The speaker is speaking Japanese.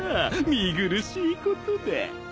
見苦しいことだ。